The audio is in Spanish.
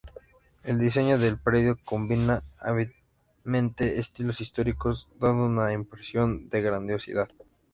El diseño del predio combina hábilmente estilos históricos, dando una impresión de grandiosidad.